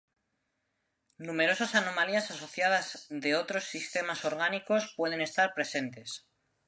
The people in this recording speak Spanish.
Numerosas anomalías asociadas de otros sistemas orgánicos pueden estar presentes.